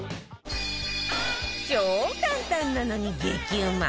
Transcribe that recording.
超簡単なのに激うま！